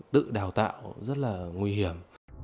tự đào tạo rất là nguy hiểm